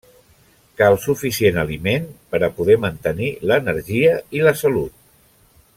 Cal suficient aliment per a poder mantenir l'energia i la salut.